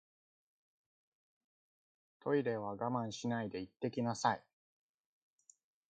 トイレは我慢しないで行ってきなさい